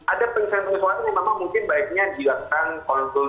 ada penyesuaian penyesuaian memang mungkin baiknya diakseskan konsumsi